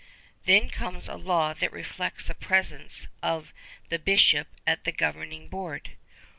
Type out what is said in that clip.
Then comes a law that reflects the presence of the bishop at the governing board.